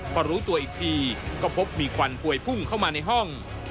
พอรู้ตัวอีกทีก็พบมีควันพวยพุ่งเข้ามาในห้อง